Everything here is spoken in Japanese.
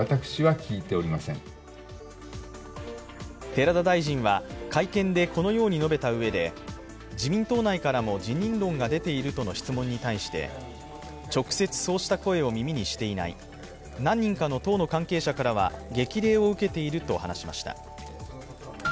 寺田大臣は会見でこのように述べたうえで、自民党内からも辞任論が出ているとの質問に対して、直接そうした声を耳にしていない、何人かの党の関係者からは激励を受けていると話しました。